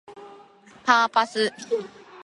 パーパス